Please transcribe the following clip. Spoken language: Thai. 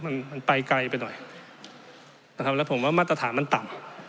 มันมันไปไกลไปหน่อยนะครับแล้วผมว่ามาตรฐานมันต่ำ